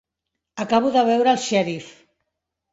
Acabo de veure el xèrif.